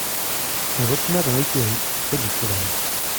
Il retourna dans l'écurie près du cheval.